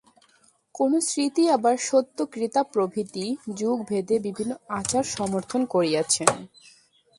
কোন স্মৃতি আবার সত্য-ত্রেতা প্রভৃতি যুগভেদে বিভিন্ন আচার সমর্থন করিয়াছেন।